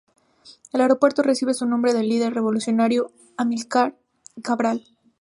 El aeropuerto recibe su nombre del líder revolucionario Amílcar Cabral.